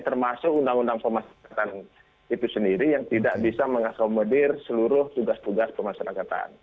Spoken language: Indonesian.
termasuk undang undang pemasaran angkatan itu sendiri yang tidak bisa mengakomodir seluruh tugas tugas pemasaran angkatan